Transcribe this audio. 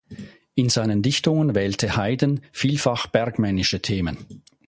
In seinen Dichtungen wählte Heyden vielfach bergmännische Themen.